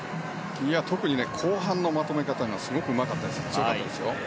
特に後半のまとめ方がすごくうまかったです。